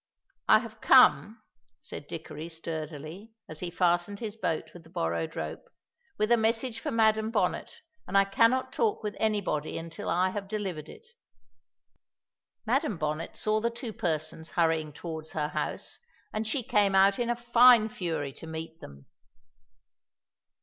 "I have come," said Dickory sturdily, as he fastened his boat with the borrowed rope, "with a message for Madam Bonnet, and I cannot talk with anybody until I have delivered it." Madam Bonnet saw the two persons hurrying towards her house, and she came out in a fine fury to meet them.